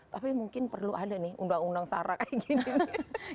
tapi mungkin perlu ada nih undang undang sarah kayak gini nih